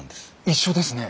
一緒ですね。